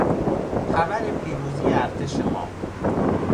خبر پیروزی ارتش ما